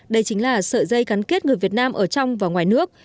đây chính là sợi dây gắn kết người việt nam ở trong và ngoài nước